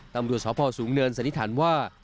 ตำรวจสพสูงเนินสันนิษฐานว่า